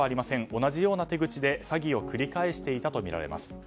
同じような手口で詐欺を繰り返していたとみられています。